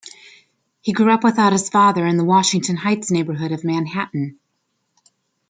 He grew up without his father in the Washington Heights neighborhood of Manhattan.